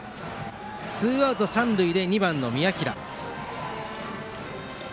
ツーアウト三塁で２番の宮平。